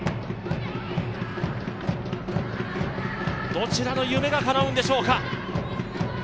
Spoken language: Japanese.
どちらの夢がかなうんでしょうか。